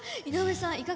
井上さん